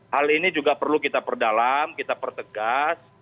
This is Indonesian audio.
hal ini juga perlu kita perdalam kita pertegas